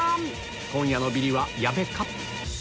今夜のビリは矢部か？